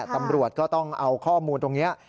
ตำรวจก็ต้องเอาข้อมูลตรงนี้